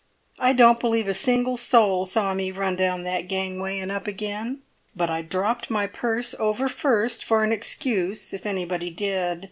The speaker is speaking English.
I don't believe a single soul saw me run down that gangway and up again; but I dropped my purse over first for an excuse if anybody did.